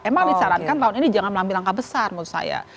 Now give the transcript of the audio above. emang disarankan tahun ini jangan mengambil langkah besar menurut saya